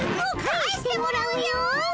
返してもらうよ！